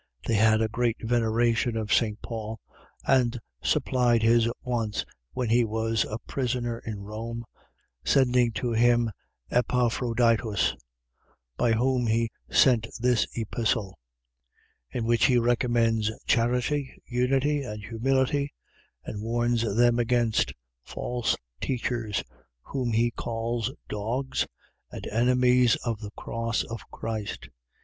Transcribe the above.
They had a great veneration for St. Paul and supplied his wants when he was a prisoner in Rome, sending to him by Epaphroditus, by whom he sent this Epistle; in which he recommends charity, unity and humility and warns them against false teachers, whom he calls dogs and enemies of the cross of Christ.